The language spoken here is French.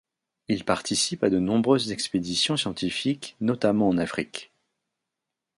Il participe à de nombreuses expéditions scientifiques notamment en Afrique.